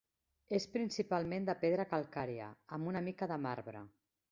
És principalment de pedra calcària, amb una mica de marbre.